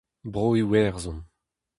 Bro-Iwerzhon.